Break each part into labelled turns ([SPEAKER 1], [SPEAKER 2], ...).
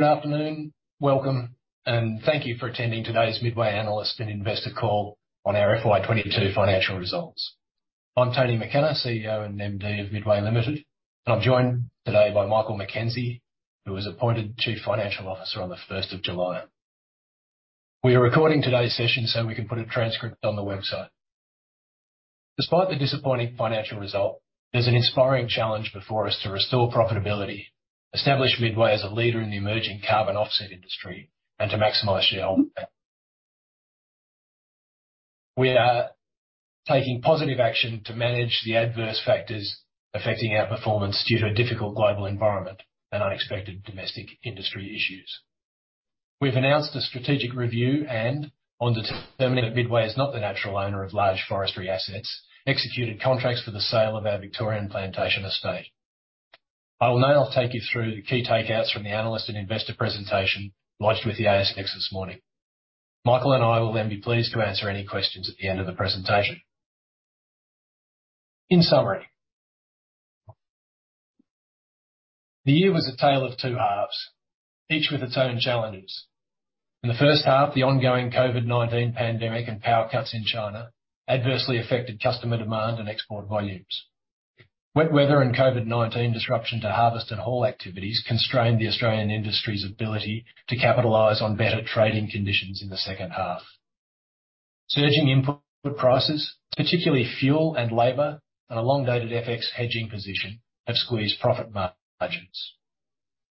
[SPEAKER 1] Good afternoon. Welcome, and thank you for attending today's Midway Analyst and Investor Call on our FY2022 financial results. I'm Tony McKenna, CEO and MD of Midway Limited, and I'm joined today by Michael McKenzie, who was appointed Chief Financial Officer on July 1. We are recording today's session so we can put a transcript on the website. Despite the disappointing financial result, there's an inspiring challenge before us to restore profitability, establish Midway as a leader in the emerging carbon offset industry and to maximize shareholder value. We are taking positive action to manage the adverse factors affecting our performance due to a difficult global environment and unexpected domestic industry issues. We've announced a strategic review and, on determining that Midway is not the natural owner of large forestry assets, executed contracts for the sale of our Victorian plantation estate. I will now take you through the key takeaways from the analyst and investor presentation lodged with the ASX this morning. Michael and I will then be pleased to answer any questions at the end of the presentation. In summary, the year was a tale of two halves, each with its own challenges. In the first half, the ongoing COVID-19 pandemic and power cuts in China adversely affected customer demand and export volumes. Wet weather and COVID-19 disruption to harvest and haul activities constrained the Australian industry's ability to capitalize on better trading conditions in the second half. Surging input prices, particularly fuel and labor, and a long-dated FX hedging position have squeezed profit margins.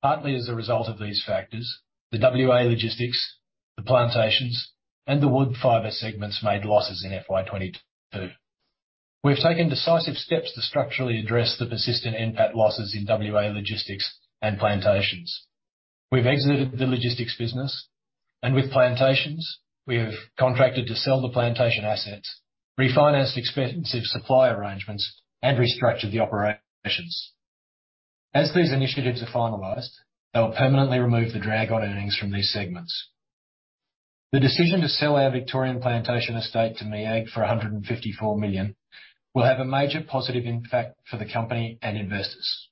[SPEAKER 1] Partly as a result of these factors, the WA Logistics, the plantations, and the wood fiber segments made losses in FY2022. We have taken decisive steps to structurally address the persistent NPAT losses in WA Logistics and plantations. We've exited the logistics business, and with plantations, we have contracted to sell the plantation assets, refinanced expensive supply arrangements, and restructured the operations. As these initiatives are finalized, they will permanently remove the drag on earnings from these segments. The decision to sell our Victorian plantation estate to MEAG for 154 million will have a major positive impact for the company and investors.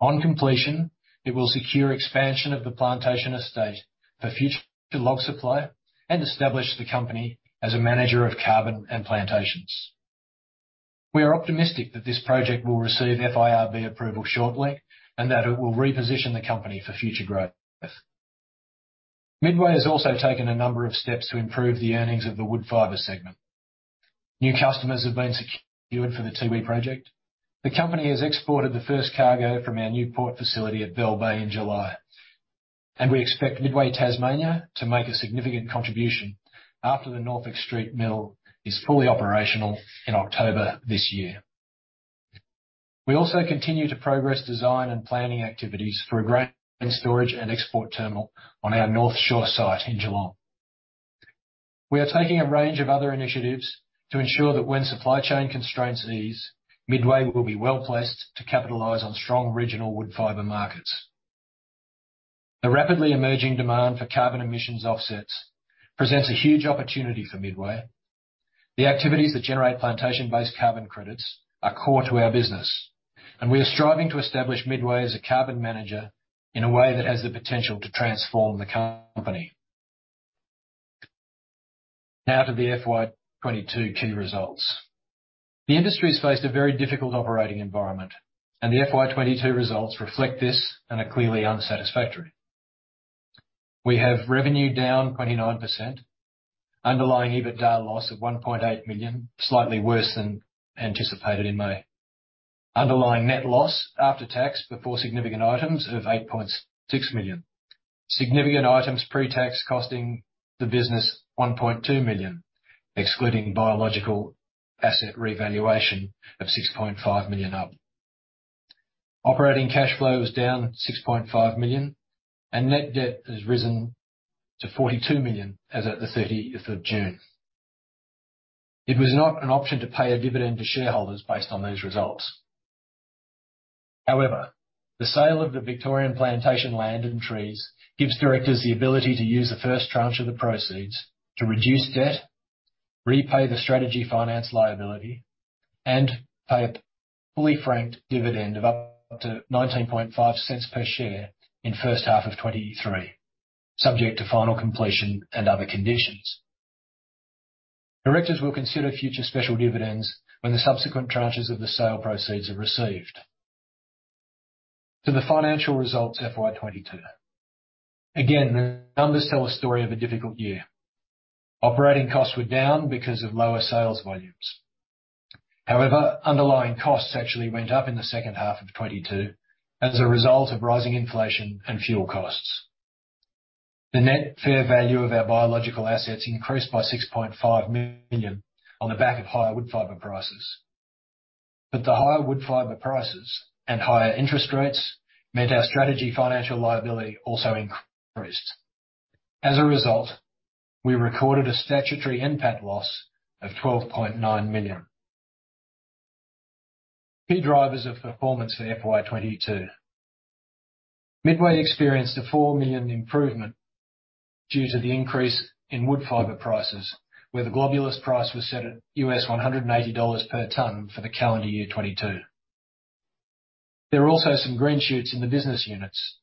[SPEAKER 1] On completion, it will secure expansion of the plantation estate for future log supply and establish the company as a manager of carbon and plantations. We are optimistic that this project will receive FIRB approval shortly and that it will reposition the company for future growth. Midway has also taken a number of steps to improve the earnings of the wood fiber segment. New customers have been secured for the Tiwi Islands project. The company has exported the first cargo from our new port facility at Bell Bay in July, and we expect Midway Tasmania to make a significant contribution after the Norfolk Street Mill is fully operational in October this year. We also continue to progress design and planning activities for a grain storage and export terminal on our North Shore site in Geelong. We are taking a range of other initiatives to ensure that when supply chain constraints ease, Midway will be well-placed to capitalize on strong regional wood fiber markets. The rapidly emerging demand for carbon emissions offsets presents a huge opportunity for Midway. The activities that generate plantation-based carbon credits are core to our business, and we are striving to establish Midway as a carbon manager in a way that has the potential to transform the company. Now to the FY2022 key results. The industry has faced a very difficult operating environment, and the FY2022 results reflect this and are clearly unsatisfactory. We have revenue was down 29%, underlying EBITDA loss of 1.8 million, slightly worse than anticipated in May. Underlying net loss after tax before significant items, of 8.6 million. Significant items pre-tax costing the business 1.2 million, excluding biological asset revaluation of 6.5 million up. Operating cash flow is down 6.5 million, and net debt has risen to 42 million as at the 30th of June. It was not an option to pay a dividend to shareholders based on these results. However, the sale of the Victorian plantation land and trees gives directors the ability to use the first tranche of the proceeds to reduce debt, repay the strategic financial liability, and pay a fully franked dividend of up to 0.195 per share in first half of 2023, subject to final completion and other conditions. Directors will consider future special dividends when the subsequent tranches of the sale proceeds are received. Now to the financial results for FY2022. Again, the numbers tell a story of a difficult year. Operating costs were down because of lower sales volumes. However, underlying costs actually went up in the second half of 2022 as a result of rising inflation and fuel costs. The net fair value of our biological assets increased by 6.5 million on the back of higher wood fiber prices. The higher wood fiber prices and higher interest rates meant our strategic financial liability also increased. As a result, we recorded a statutory NPAT loss of 12.9 million. Key drivers of performance for FY2022. Midway experienced a 4 million improvement due to the increase in wood fiber prices, where the globulus price was set at $180 per ton for the 2022 calendar year. There are also some green shoots in the business units.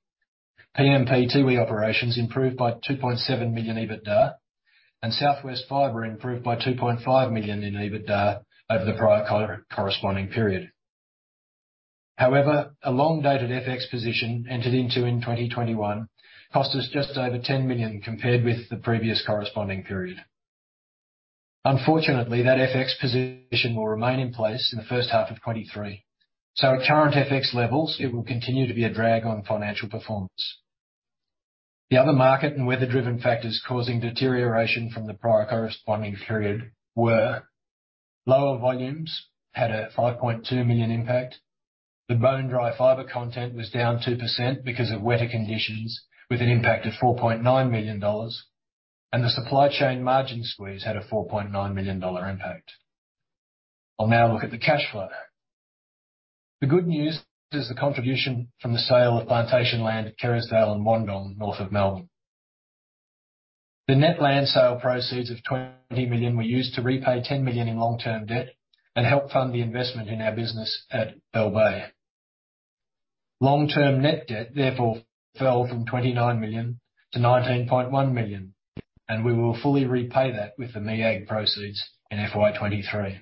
[SPEAKER 1] PMP Tiwi operations improved by 2.7 million in EBITDA, and Southwest Fibre improved by 2.5 million in EBITDA over the prior corresponding period. However, a long-dated FX position entered into in 2021 cost us just over 10 million compared with the previous corresponding period. Unfortunately, that FX position will remain in place in the first half of 2023. At current FX levels, it will continue to be a drag on financial performance. The other market and weather-driven factors causing deterioration from the prior corresponding period were lower volumes, had a 5.2 million impact. The bone-dry fiber content declined 2% because of wetter conditions, with an impact of 4.9 million dollars. The supply chain margin squeeze had a 4.9 million dollar impact. I'll now look at the cash flow. The good news is the contribution from the sale of plantation land at Kerrisdale and Wandong, north of Melbourne. The net land sale proceeds of 20 million were used to repay 10 million in long-term debt and help fund the investment in our business at Bell Bay. Long-term net debt therefore fell from 29 million to 19.1 million, and we will fully repay that with the MEAG proceeds in FY 2023.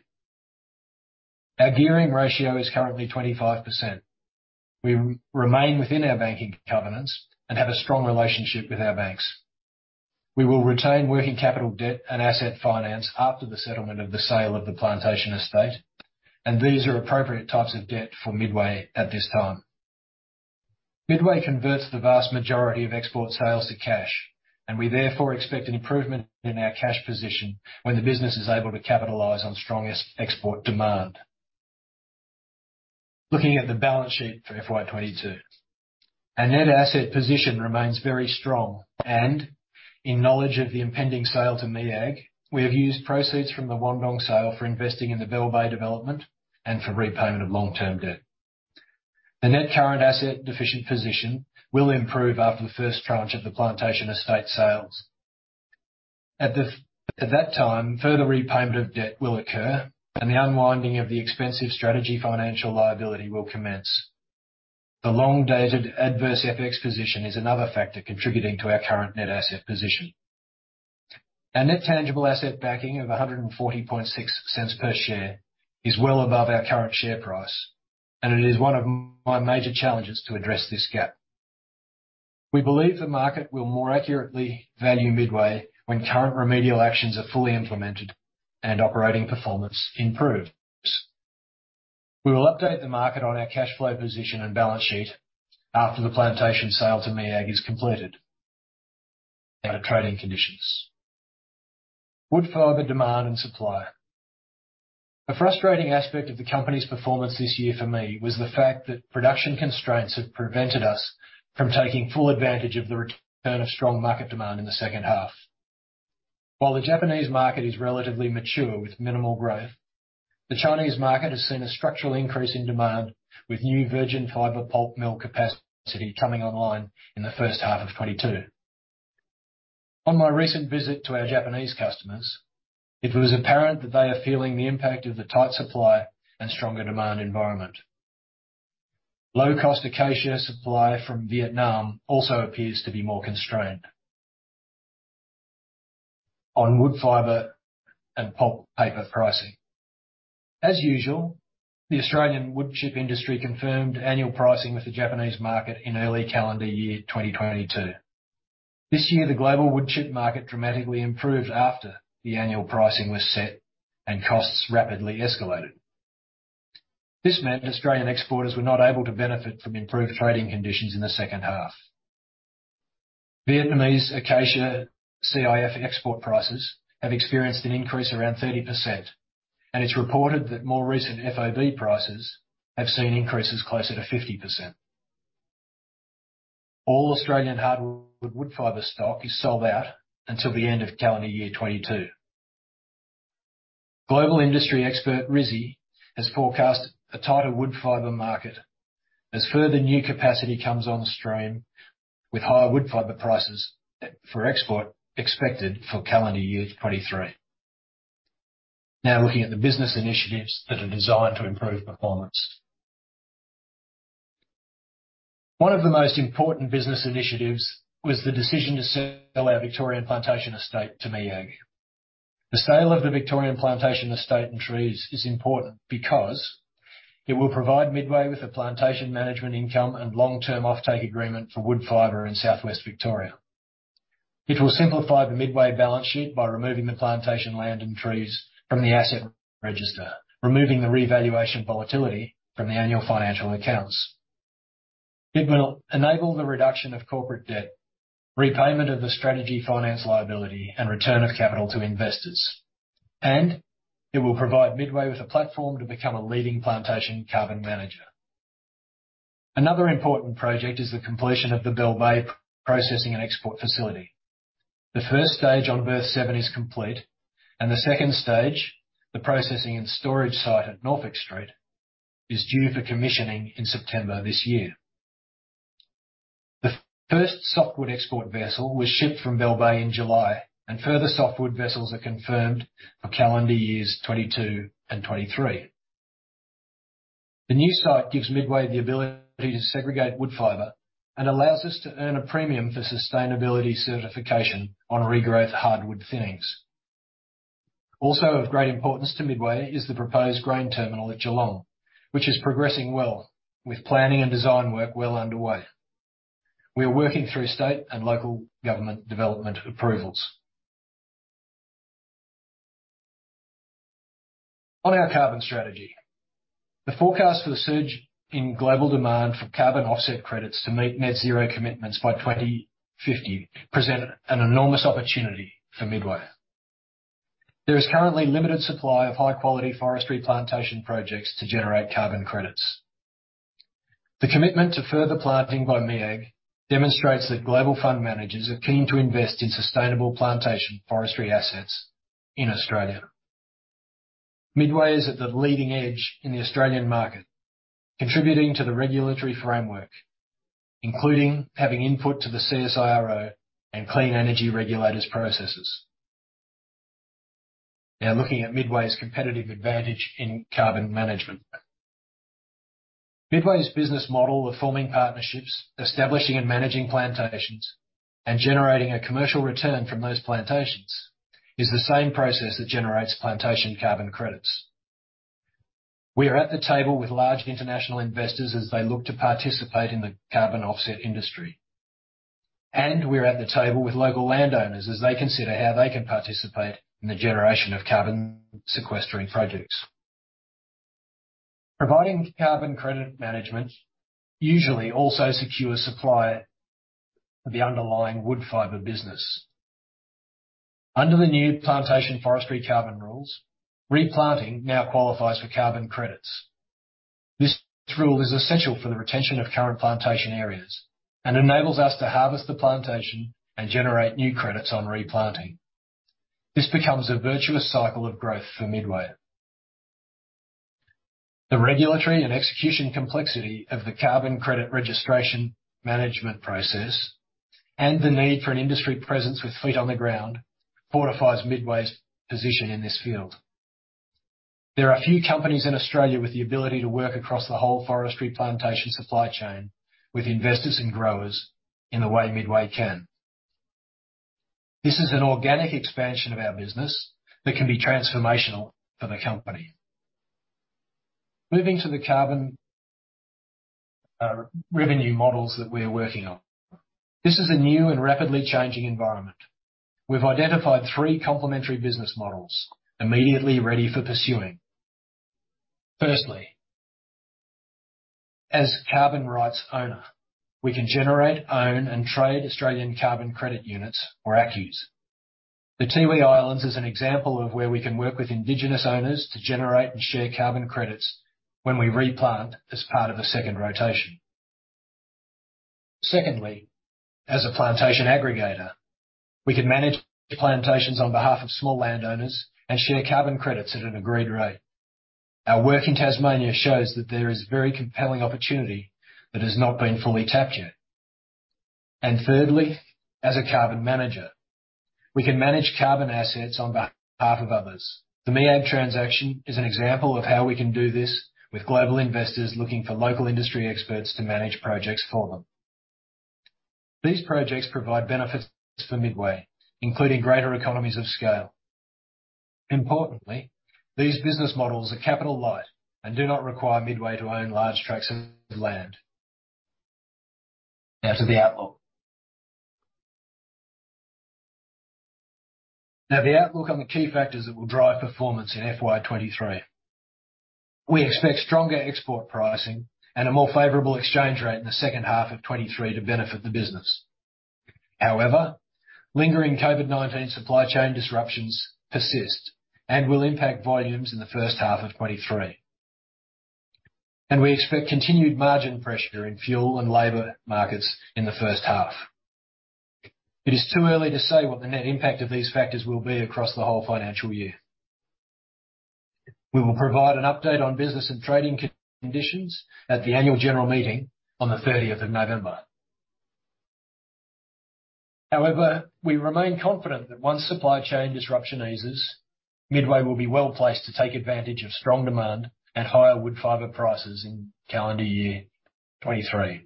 [SPEAKER 1] Our gearing ratio is currently 25%. We remain within our banking covenants and have a strong relationship with our banks. We will retain working capital debt and asset finance after the settlement of the sale of the plantation estate, and these are appropriate types of debt for Midway at this time. Midway converts the vast majority of export sales to cash, and we therefore expect an improvement in our cash position when the business is able to capitalize on strong export demand. Looking at the balance sheet for FY2022. Our net asset position remains very strong, and in knowledge of the impending sale to MEAG, we have used proceeds from the Wandong sale for investing in the Bell Bay development and for repayment of long-term debt. The net current asset deficiency position will improve after the first tranche of the plantation estate sales. At that time, further repayment of debt will occur and the unwinding of the expensive strategic financial liability will commence. The long dated adverse FX position is another factor contributing to our current net asset position. Our net tangible asset backing of 1.406 per share is well above our current share price, and it is one of my major challenges to address this gap. We believe the market will more accurately value Midway when current remedial actions are fully implemented and operating performance improves. We will update the market on our cash flow position and balance sheet after the plantation sale to MEAG is completed. Our trading conditions. Wood fiber demand and supply. A frustrating aspect of the company's performance this year for me was the fact that production constraints have prevented us from taking full advantage of the return of strong market demand in the second half. While the Japanese market is relatively mature with minimal growth, the Chinese market has seen a structural increase in demand with new virgin fiber pulp mill capacity coming online in the first half of 2022. On my recent visit to our Japanese customers, it was apparent that they are feeling the impact of the tight supply and stronger demand environment. Low-cost acacia supply from Vietnam also appears to be more constrained. On wood fiber and pulp paper pricing. As usual, the Australian wood chip industry confirmed annual pricing with the Japanese market in early 2022 calendar year. This year, the global wood chip market dramatically improved after the annual pricing was set and costs rapidly escalated. This meant Australian exporters were not able to benefit from improved trading conditions in the second half. Vietnamese acacia CIF export prices have experienced an increase around 30%, and it's reported that more recent FOB prices have seen increases closer to 50%. All Australian hardwood wood fiber stock is sold out until the end of 2022 calendar year. Global industry expert RISI has forecast a tighter wood fiber market as further new capacity comes on stream, with higher wood fiber prices for export expected for calendar year 2023. Now looking at the business initiatives that are designed to improve performance. One of the most important business initiatives was the decision to sell our Victorian plantation estate to MEAG. The sale of the Victorian plantation estate and trees is important because it will provide Midway with a plantation management income and long-term offtake agreement for wood fiber in southwest Victoria. It will simplify the Midway balance sheet by removing the plantation land and trees from the asset register, removing the revaluation volatility from the annual financial accounts. It will enable the reduction of corporate debt, repayment of the strategic financial liability and return of capital to investors. It will provide Midway with a platform to become a leading plantation carbon manager. Another important project is the completion of the Bell Bay processing and export facility. The first stage on berth 7 is complete, and the second stage, the processing and storage site at Norfolk Street is due for commissioning in September this year. The first softwood export vessel was shipped from Bell Bay in July, and further softwood vessels are confirmed for calendar years 2022 and 2023. The new site gives Midway the ability to segregate wood fiber and allows us to earn a premium for sustainability certification on regrowth hardwood thinnings. Also of great importance to Midway is the proposed grain terminal at Geelong, which is progressing well with planning and design work well underway. We are working through state and local government development approvals. On our carbon strategy. The forecast for the surge in global demand for carbon offset credits to meet net zero commitments by 2050 presents an enormous opportunity for Midway. There is currently limited supply of high-quality forestry plantation projects to generate carbon credits. The commitment to further planting by MEAG demonstrates that global fund managers are keen to invest in sustainable plantation forestry assets in Australia. Midway is at the leading edge in the Australian market, contributing to the regulatory framework, including having input to the CSIRO and Clean Energy Regulator processes. Now looking at Midway's competitive advantage in carbon management. Midway's business model of forming partnerships, establishing and managing plantations, and generating a commercial return from those plantations, is the same process that generates plantation carbon credits. We are at the table with large international investors as they look to participate in the carbon offset industry. We're at the table with local landowners as they consider how they can participate in the generation of carbon sequestering projects. Providing carbon credit management usually also secure supply of the underlying wood fiber business. Under the new plantation forestry carbon rules, replanting now qualifies for carbon credits. This rule is essential for the retention of current plantation areas and enables us to harvest the plantation and generate new credits on replanting. This becomes a virtuous cycle of growth for Midway. The regulatory and execution complexity of the carbon credit registration management process and the need for an industry presence with feet on the ground fortifies Midway's position in this field. There are a few companies in Australia with the ability to work across the whole forestry plantation supply chain with investors and growers in the way Midway can. This is an organic expansion of our business that can be transformational for the company. Moving to the carbon, revenue models that we're working on. This is a new and rapidly changing environment. We've identified three complementary business models immediately ready for pursuing. Firstly, as carbon rights owner, we can generate, own, and trade Australian Carbon Credit Units (ACCUs). The Tiwi Islands is an example of where we can work with indigenous owners to generate and share carbon credits when we replant as part of a second rotation. Secondly, as a plantation aggregator, we can manage plantations on behalf of small landowners and share carbon credits at an agreed rate. Our work in Tasmania shows that there is a very compelling opportunity that has not been fully tapped yet. Thirdly, as a carbon manager, we can manage carbon assets on behalf of others. The MEAG transaction is an example of how we can do this with global investors looking for local industry experts to manage projects for them. These projects provide benefits for Midway, including greater economies of scale. Importantly, these business models are capital light and do not require Midway to own large tracts of land. Now to the outlook on the key factors that will drive performance in FY 2023. We expect stronger export pricing and a more favorable exchange rate in the second half of 2023 to benefit the business. However, lingering COVID-19 supply chain disruptions persist and will impact volumes in the first half of 2023. We expect continued margin pressure in fuel and labor markets in the first half. It is too early to say what the net impact of these factors will be across the whole financial year. We will provide an update on business and trading conditions at the annual general meeting on the November 30. However, we remain confident that once supply chain disruption eases, Midway will be well-placed to take advantage of strong demand at higher wood fiber prices in calendar year 2023.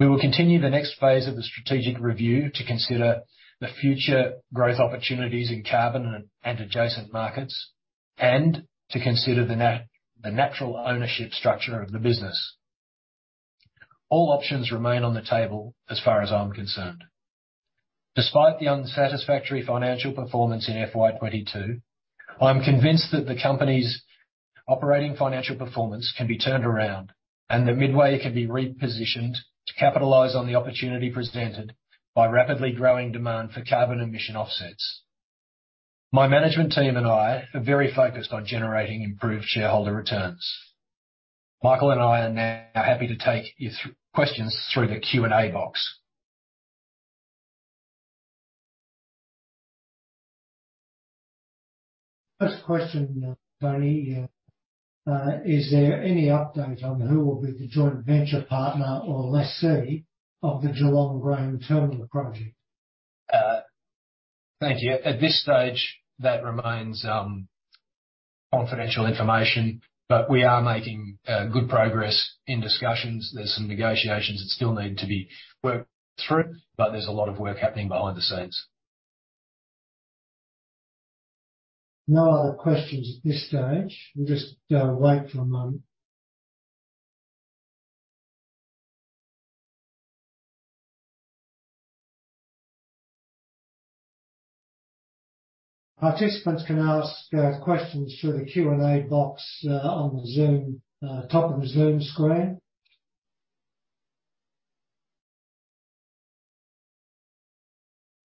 [SPEAKER 1] We will continue the next phase of the strategic review to consider the future growth opportunities in carbon and adjacent markets, and to consider the natural ownership structure of the business. All options remain on the table as far as I'm concerned. Despite the unsatisfactory financial performance in FY2022, I'm convinced that the company's operating financial performance can be turned around and that Midway can be repositioned to capitalize on the opportunity presented by rapidly growing demand for carbon emission offsets. My management team and I are very focused on generating improved shareholder returns. Michael and I are now happy to take your questions through the Q&A box.
[SPEAKER 2] First question, Tony. Is there any update on who will be the joint venture partner or lessee of the Geelong Grain Terminal project?
[SPEAKER 1] Thank you. At this stage, that remains confidential information, but we are making good progress in discussions. There's some negotiations that still need to be worked through, but there's a lot of work happening behind the scenes.
[SPEAKER 2] No other questions at this stage. We'll just wait for a moment. Participants can ask questions through the Q&A box on the Zoom top of the Zoom screen.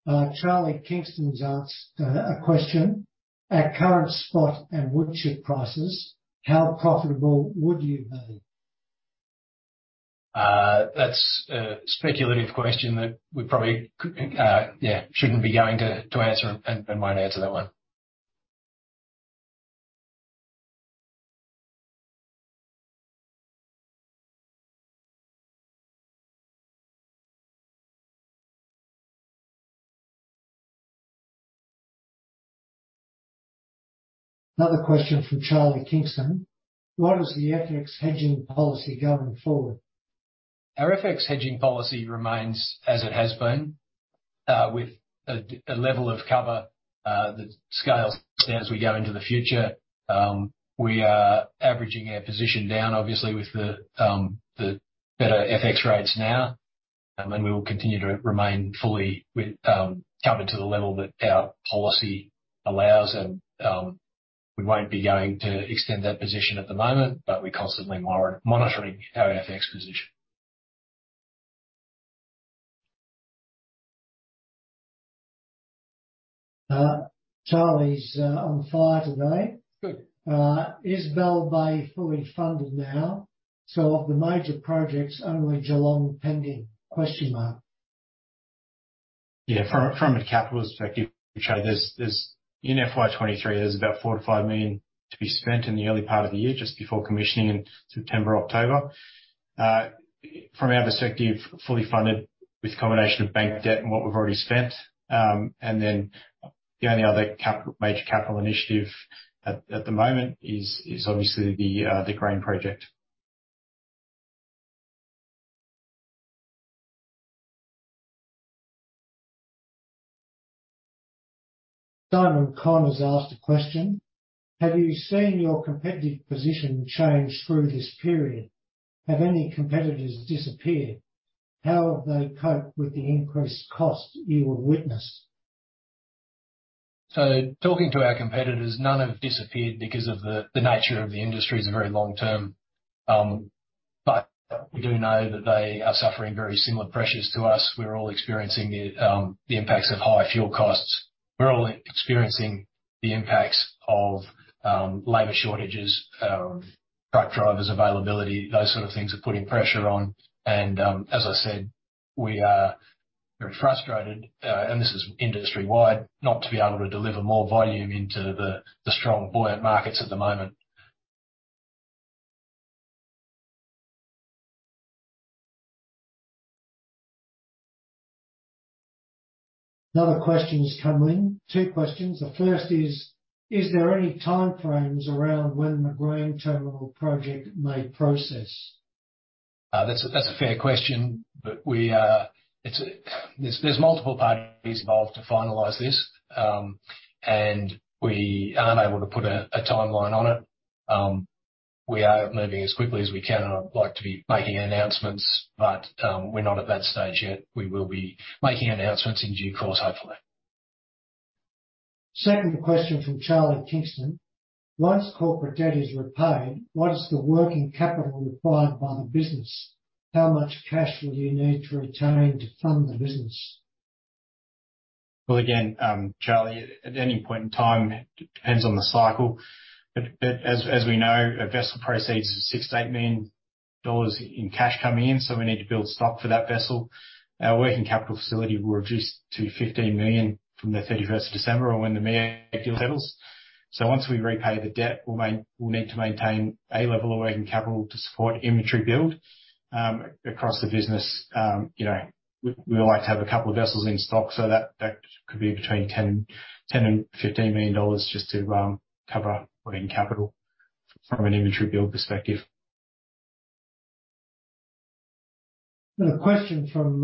[SPEAKER 2] Charlie Kingston's asked a question. At current spot and wood chip prices, how profitable would you be?
[SPEAKER 1] That's a speculative question that we probably shouldn't be going to answer and won't answer that one.
[SPEAKER 2] Another question from Charlie Kingston. What is the FX hedging policy going forward?
[SPEAKER 1] Our FX hedging policy remains as it has been, with a level of cover, that scales as we go into the future. We are averaging our position down, obviously, with the better FX rates now. We will continue to remain fully covered to the level that our policy allows and, we won't be going to extend that position at the moment, but we're constantly monitoring our FX position.
[SPEAKER 2] Charlie's on fire today.
[SPEAKER 1] Good.
[SPEAKER 2] Is Bell Bay fully funded now? Of the major projects, only Geelong pending?
[SPEAKER 1] From a capital perspective, in FY 2023, there's about 4 million-5 million to be spent in the early part of the year, just before commissioning in September, October. From our perspective, fully funded with a combination of bank debt and what we've already spent. The only other major capital initiative at the moment is obviously the grain project.
[SPEAKER 2] Simon Conn has asked a question. Have you seen your competitive position change through this period? Have any competitors disappeared? How have they coped with the increased costs you have witnessed?
[SPEAKER 1] Talking to our competitors, none have disappeared because of the nature of the industry is very long term. We do know that they are suffering very similar pressures to us. We're all experiencing the impacts of higher fuel costs. We're all experiencing the impacts of labor shortages, truck drivers availability, those sort of things are putting pressure on. As I said, we are very frustrated, and this is industry wide, not to be able to deliver more volume into the strong buoyant markets at the moment.
[SPEAKER 2] Another question's come in. Two questions. The first is there any time frames around when the grain terminal project may process?
[SPEAKER 1] That's a fair question, but it's, there's multiple parties involved to finalize this, and we aren't able to put a timeline on it. We are moving as quickly as we can, and I'd like to be making announcements, but we're not at that stage yet. We will be making announcements in due course, hopefully.
[SPEAKER 2] Second question from Charlie Kingston. Once corporate debt is repaid, what is the working capital required by the business? How much cash will you need to retain to fund the business?
[SPEAKER 1] Well, again, Charlie, at any point in time, it depends on the cycle. As we know, a vessel proceeds 6-8 million dollars in cash coming in, so we need to build stock for that vessel. Our working capital facility will reduce to 15 million from the December 31 or when the merger deal settles. Once we repay the debt, we'll need to maintain a level of working capital to support inventory build across the business. You know, we like to have a couple of vessels in stock so that could be between 10 million and 15 million dollars just to cover working capital from an inventory build perspective.
[SPEAKER 2] A question from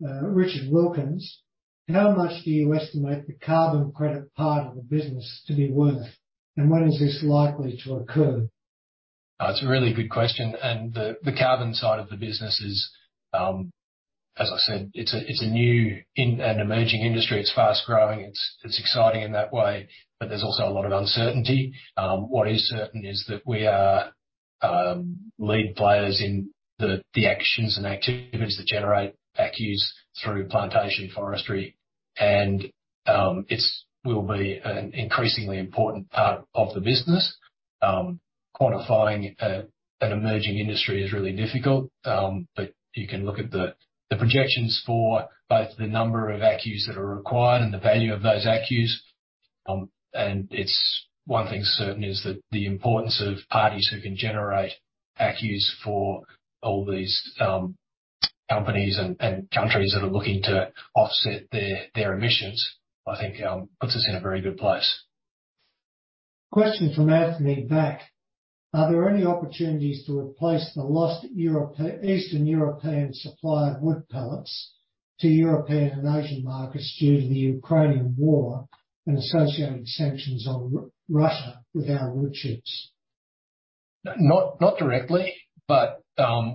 [SPEAKER 2] Richard Wilkins. How much do you estimate the carbon credit part of the business to be worth? When is this likely to occur?
[SPEAKER 1] That's a really good question. The carbon side of the business is, as I said, it's a new and emerging industry. It's fast-growing, it's exciting in that way, but there's also a lot of uncertainty. What is certain is that we are leading players in the actions and activities that generate ACCUs through plantation forestry. It will be an increasingly important part of the business. Quantifying an emerging industry is really difficult, but you can look at the projections for both the number of ACCUs that are required and the value of those ACCUs. It's one thing certain is that the importance of parties who can generate ACCUs for all these companies and countries that are looking to offset their emissions, I think, puts us in a very good place.
[SPEAKER 2] Question from Anthony Bak. Are there any opportunities to replace the lost Eastern European supply of wood pellets to European and Asian markets due to the Ukrainian war and associated sanctions on Russia with our wood chips?
[SPEAKER 1] Not directly, but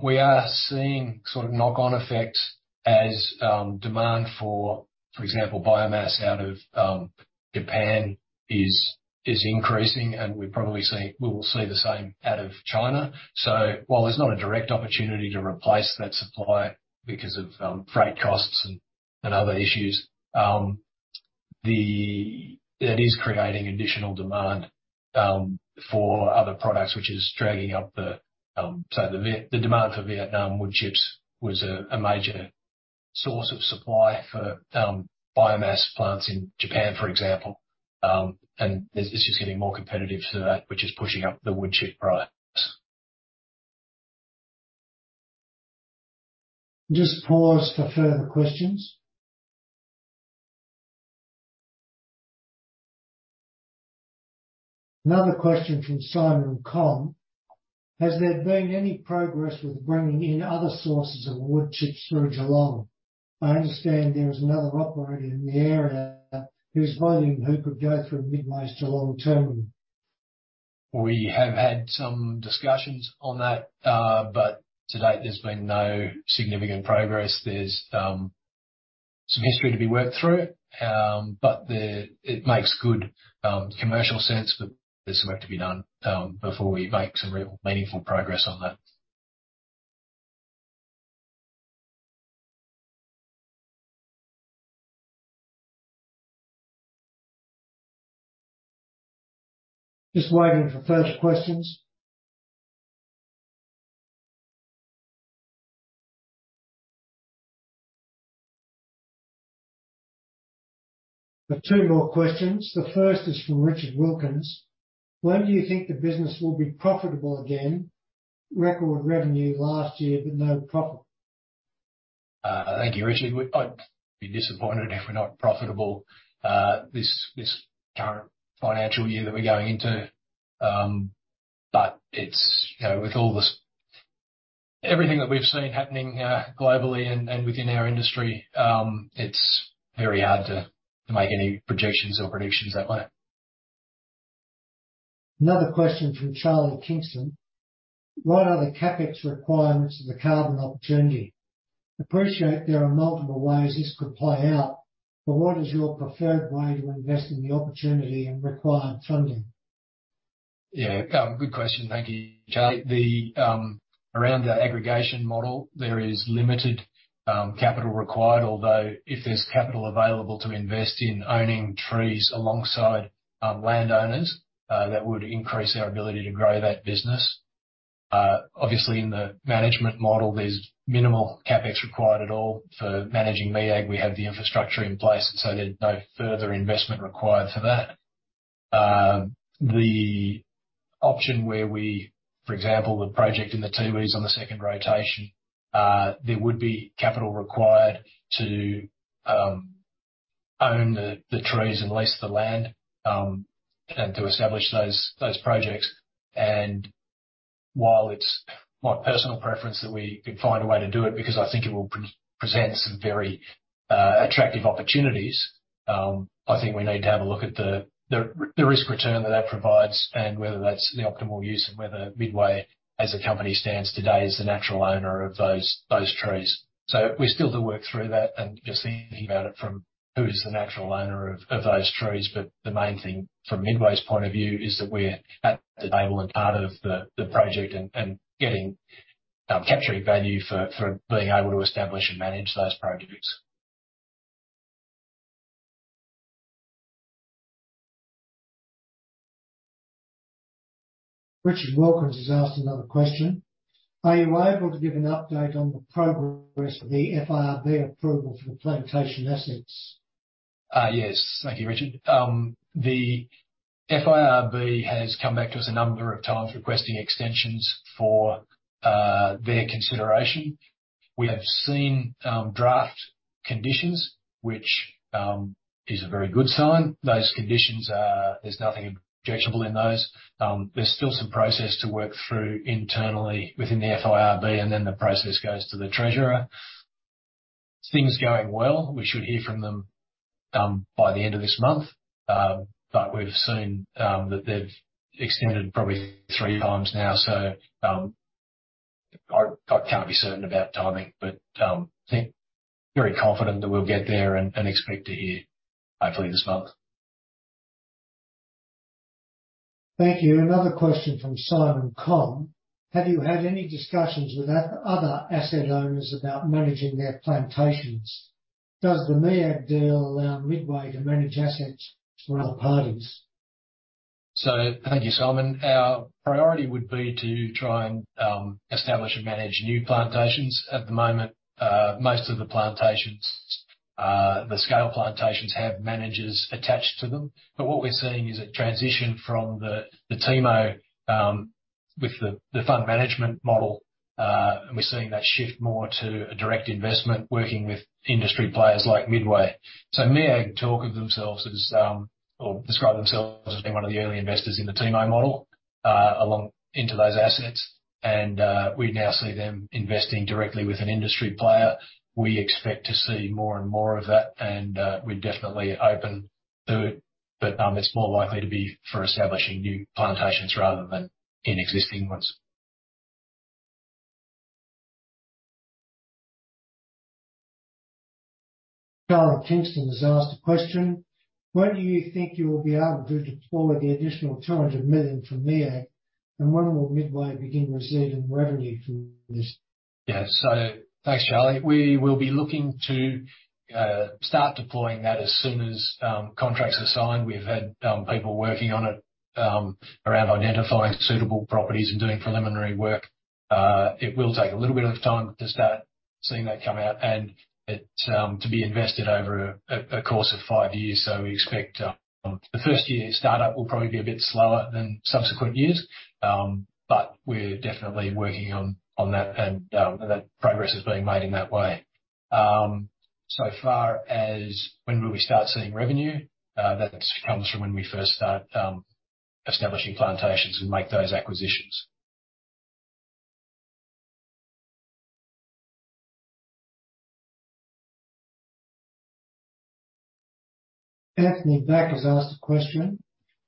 [SPEAKER 1] we are seeing sort of knock-on effects as demand for example, biomass out of Japan is increasing and we probably will see the same out of China. While there's not a direct opportunity to replace that supply because of freight costs and other issues, that is creating additional demand for other products which is dragging up. The demand for Vietnam wood chips was a major source of supply for biomass plants in Japan, for example. This is getting more competitive to that, which is pushing up the wood chip price.
[SPEAKER 2] Just pause for further questions. Another question from Simon Conn. Has there been any progress with bringing in other sources of wood chips through Geelong? I understand there is another operator in the area whose volume could go through Midway's Geelong terminal.
[SPEAKER 1] We have had some discussions on that, but to date there's been no significant progress. There's some history to be worked through, but it makes good commercial sense, but there's some work to be done before we make some real meaningful progress on that.
[SPEAKER 2] Just waiting for further questions. Got 2 more questions. The first is from Richard Wilkins. When do you think the business will be profitable again? Record revenue last year, but no profit.
[SPEAKER 1] Thank you, Richard. I'd be disappointed if we're not profitable this current financial year that we're going into. It's, you know, with all this, everything that we've seen happening globally and within our industry. It's very hard to make any projections or predictions that way.
[SPEAKER 2] Another question from Charlie Kingston. What are the CapEx requirements of the carbon opportunity? Appreciate there are multiple ways this could play out, but what is your preferred way to invest in the opportunity and required funding?
[SPEAKER 1] Yeah. Good question. Thank you, Charlie. Around the aggregation model, there is limited capital required, although if there's capital available to invest in owning trees alongside landowners, that would increase our ability to grow that business. Obviously in the management model, there's minimal CapEx required at all. For managing MEAG, we have the infrastructure in place, so there's no further investment required for that. The option where we, for example, the project in the Tiwis on the second rotation, there would be capital required to own the trees and lease the land, and to establish those projects. While it's my personal preference that we can find a way to do it, because I think it will represent some very attractive opportunities, I think we need to have a look at the risk return that that provides and whether that's the optimal use and whether Midway, as the company stands today, is the natural owner of those trees. We're still to work through that and just thinking about it from who's the natural owner of those trees. The main thing from Midway's point of view is that we're at the table and part of the project and capturing value for being able to establish and manage those projects.
[SPEAKER 2] Richard Wilkins has asked another question. Are you able to give an update on the progress of the FIRB approval for the plantation assets?
[SPEAKER 1] Yes. Thank you, Richard. The FIRB has come back to us a number of times requesting extensions for their consideration. We have seen draft conditions, which is a very good sign. Those conditions, there's nothing objectionable in those. There's still some process to work through internally within the FIRB, and then the process goes to the treasurer. Things are going well. We should hear from them by the end of this month. We've seen that they've extended probably three times now, so I can't be certain about timing, but I think very confident that we'll get there and expect to hear hopefully this month.
[SPEAKER 2] Thank you. Another question from Simon Conn. Have you had any discussions with other asset owners about managing their plantations? Does the MEAG deal allow Midway to manage assets for other parties?
[SPEAKER 1] Thank you, Simon. Our priority would be to try and establish and manage new plantations. At the moment, most of the plantations, the scale plantations have managers attached to them. What we're seeing is a transition from the TIMO with the fund management model, and we're seeing that shift more to a direct investment working with industry players like Midway. MEAG talk of themselves as or describe themselves as being one of the early investors in the TIMO model along into those assets. We now see them investing directly with an industry player. We expect to see more and more of that and we're definitely open to it, but it's more likely to be for establishing new plantations rather than in existing ones.
[SPEAKER 2] Charlie Kingston has asked a question. When do you think you will be able to deploy the additional 200 million from MEAG, and when will Midway begin receiving revenue from this?
[SPEAKER 1] Yeah. Thanks, Charlie. We will be looking to start deploying that as soon as contracts are signed. We've had people working on it around identifying suitable properties and doing preliminary work. It will take a little bit of time to start seeing that come out and it to be invested over a course of five years. We expect the first year start up will probably be a bit slower than subsequent years. We're definitely working on that and that progress is being made in that way. As far as when will we start seeing revenue, that comes from when we first start establishing plantations and make those acquisitions.
[SPEAKER 2] Anthony Bak has asked a question.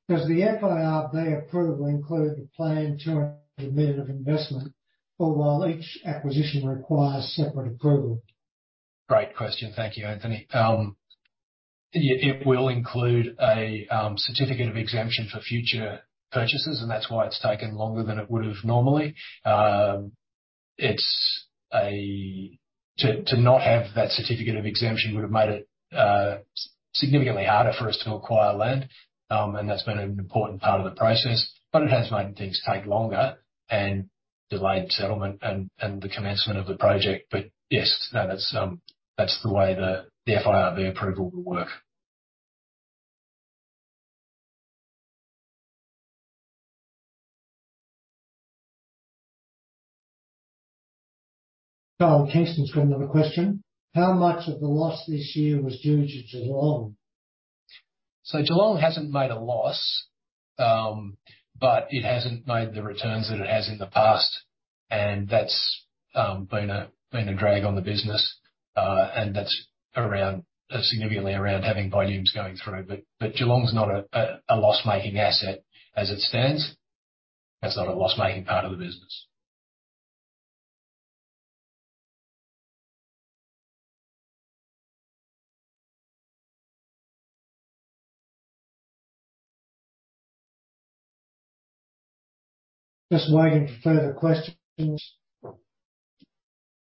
[SPEAKER 2] Does the FIRB approval include the planned AUD 200 million of investment, or will each acquisition require separate approval?
[SPEAKER 1] Great question. Thank you, Anthony. It will include a certificate of exemption for future purchases, and that's why it's taken longer than it would have normally. To not have that certificate of exemption would have made it significantly harder for us to acquire land. That's been an important part of the process, but it has made things take longer and delayed settlement and the commencement of the project. Yes, no, that's the way the FIRB approval will work.
[SPEAKER 2] Charlie Kingston's got another question. How much of the loss this year was due to Geelong?
[SPEAKER 1] Geelong hasn't made a loss, but it hasn't made the returns that it has in the past. That's been a drag on the business. That's around, significantly around having volumes going through. Geelong's not a loss-making asset as it stands. That's not a loss-making part of the business.
[SPEAKER 2] Just waiting for further questions.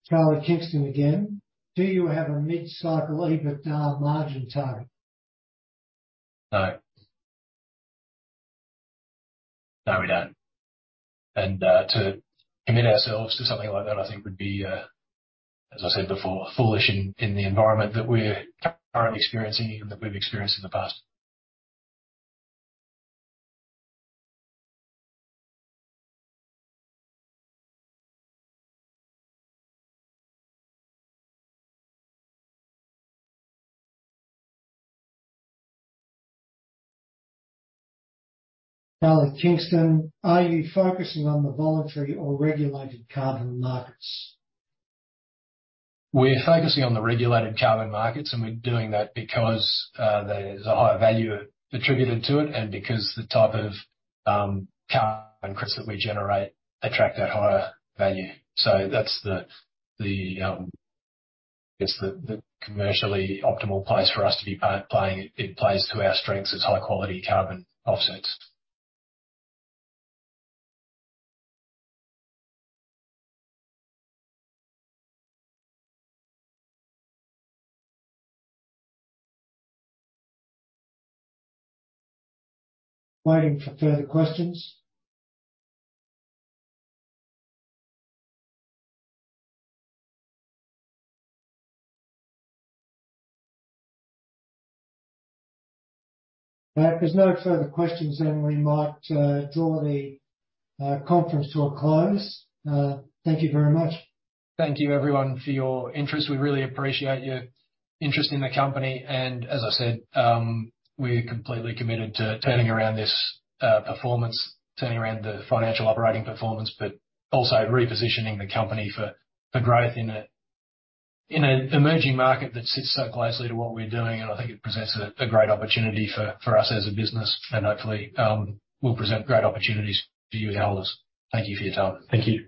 [SPEAKER 2] Charlie Kingston again. Do you have a mid-cycle EBITDA margin target?
[SPEAKER 1] No. No, we don't. To commit ourselves to something like that, I think would be, as I said before, foolish in the environment that we're currently experiencing and that we've experienced in the past.
[SPEAKER 2] Charlie Kingston, are you focusing on the voluntary or regulated carbon markets?
[SPEAKER 1] We're focusing on the regulated carbon markets, and we're doing that because there's a higher value attributed to it and because the type of carbon credits that we generate attract that higher value. That's, I guess, the commercially optimal place for us to be playing. It plays to our strengths as high quality carbon offsets. Thank you everyone for your interest. We really appreciate your interest in the company, and as I said, we're completely committed to turning around this performance, turning around the financial operating performance, but also repositioning the company for growth in an emerging market that sits so closely to what we're doing. I think it presents a great opportunity for us as a business and hopefully will present great opportunities for you as holders. Thank you for your time.